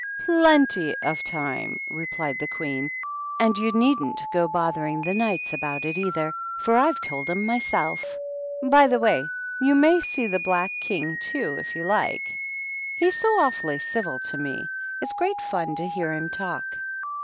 " Plen tj of time !" replied the Queen ;" and you needn't go bothering the Knights about it, either, for I've told 'em myself. By the way, you may see the Black King, too, if you like; he's so awfully civil to me ; it's great fun to hear him talk."